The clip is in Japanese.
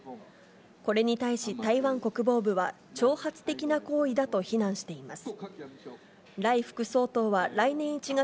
これに対し、台湾国防部は、挑発的な行為だと非難しています。